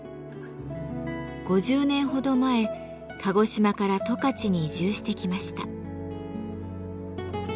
５０年ほど前鹿児島から十勝に移住してきました。